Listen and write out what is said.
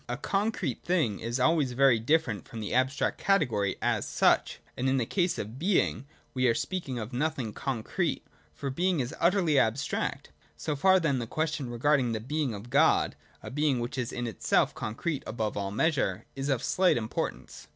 A concrete thing is always very different from the abstract category as such. And in the case of being, we are speaking of nothing concrete : for being is the utterly abstract. So far then the question regarding the being of God — a being which is in itself concrete above all measure — is of slight importance.